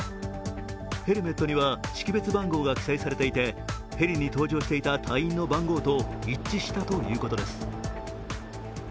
ヘルメットには識別番号が記載されていて、ヘリに搭乗していた隊員の番号と一致したということです。